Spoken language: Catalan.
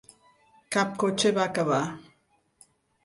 Cap cotxe va acabar.